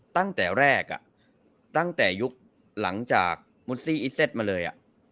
ตั้งแต่แรกตั้งแต่ยุคหลังจากมุดซี่อิเซตมาเลย